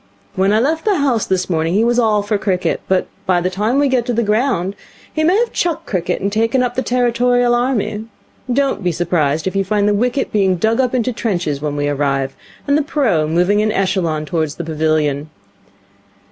When I left the house this morning he was all for cricket. But by the time we get to the ground he may have chucked cricket and taken up the Territorial Army. Don't be surprised if you find the wicket being dug up into trenches, when we arrive, and the pro. moving in echelon towards the pavilion.